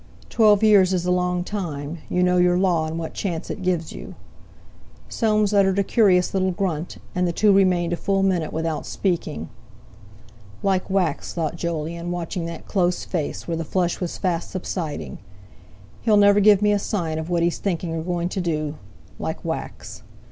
Twelve years is a long time. You know your law, and what chance it gives you." Soames uttered a curious little grunt, and the two remained a full minute without speaking. "Like wax!" thought Jolyon, watching that close face, where the flush was fast subsiding. "He'll never give me a sign of what he's thinking, or going to do. Like wax!"